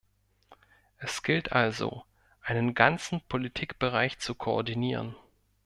Es gilt also, einen ganzen Politikbereich zu koordinieren.